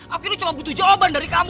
aku ini cuma butuh jawaban dari kamu